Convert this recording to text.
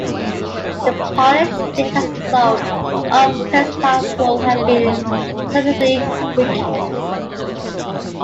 The Polish state as a result of Bezprym's rule had been substantially weakened.